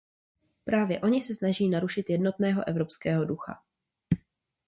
Právě oni se snaží narušit jednotného evropského ducha.